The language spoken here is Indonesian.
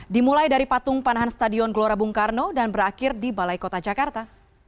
dimulai dari patung panahan stadion gelora bung karno dan berakhir di balai kota jakarta